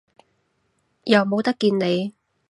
又冇得見你